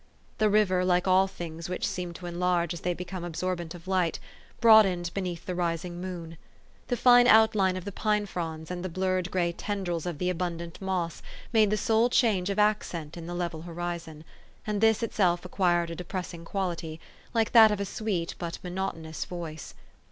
The river, like all things which seem to en large as they become absorbent of light, broadened beneath the rising moon. The fine outline of the pine fronds and the blurred gray tendrils of the abundant moss made the sole change of accent in the level horizon ; and this itself acquired a depress ing quality, like that of a sweet but monotonous voice.